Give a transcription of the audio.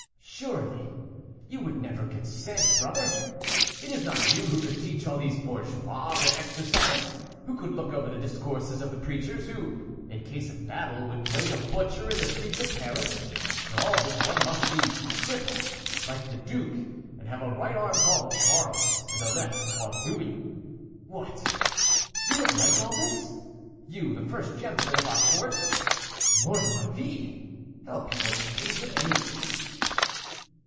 "Surely you would never consent, brother! It is not you who could teach all these bourgeois their exercise, who could look over the discourses of the preachers, who, in case of battle, would play the butcher in the streets of Paris; for all this, one must be triple, like the duke, and have a right arm called Charles and a left called Louis. What! you would like all this? You, the first gentleman of our court! Mort de ma vie! how people change with the age!"